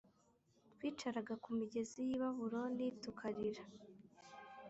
Twicaraga ku migezi y i Babuloni Tukarira